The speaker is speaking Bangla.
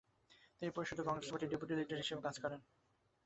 তিনি পরিষদ ও কংগ্রেস পার্টির ডেপুটি লিডার হিসেবে কাজ করেন।